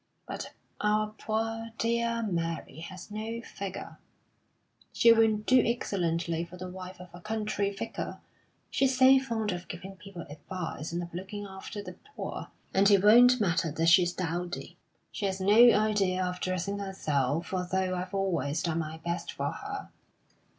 But our poor, dear Mary has no figure. She will do excellently for the wife of a country vicar. She's so fond of giving people advice, and of looking after the poor, and it won't matter that she's dowdy. She has no idea of dressing herself, although I've always done my best for her.